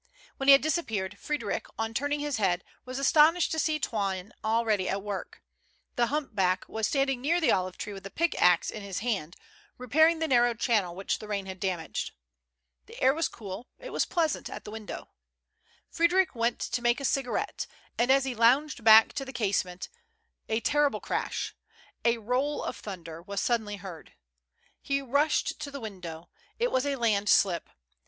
When he had disappeared, Frederic, on turning his head, was astonished to see Toine already at work ; the humpback was standing near the olive tree with a pickaxe in his hand, repairing the narrow channel which the rain had damaged. The air was cool ; it was pleas ant at the window. Frederick went to make a cigar ette, and as he lounged back to the casement a terrible crash — a roll of thunder — was suddenly heard. He rushed to the window. It was a landslip.